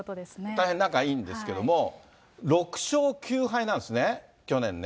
大変仲いいんですけど、６勝９敗なんですね、去年ね。